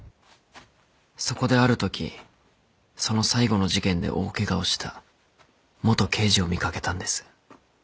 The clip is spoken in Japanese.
そこであるときその最後の事件で大ケガをした元刑事を見掛けたんです。